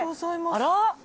あら？